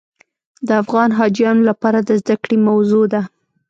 د افغان حاجیانو لپاره د زده کړې موضوع ده.